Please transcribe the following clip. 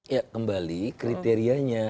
ya kembali kriterianya